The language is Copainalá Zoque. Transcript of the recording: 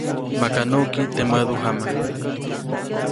Maka nuʼki teʼ mädujama.